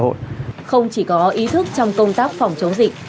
không chỉ có ý thức trong công tác phòng chống dịch